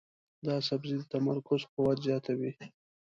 دا سبزی د تمرکز قوت زیاتوي.